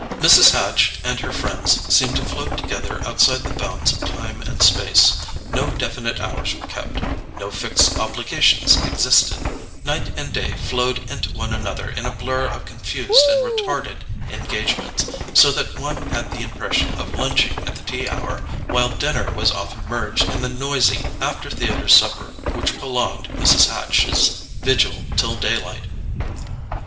Mrs. Hatch and her friends seemed to float together outside the bounds of time and space. No definite hours were kept; no fixed obligations existed: night and day flowed into one another in a blur of confused and retarded engagements, so that one had the impression of lunching at the tea hour, while dinner was often merged in the noisy after theatre supper which prolonged Mrs. Hatch's vigil till daylight.